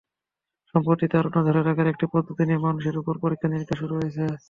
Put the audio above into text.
সম্প্রতি তারুণ্য ধরে রাখার একটি পদ্ধতি নিয়ে মানুষের ওপর পরীক্ষা-নিরীক্ষা শুরু হয়েছে।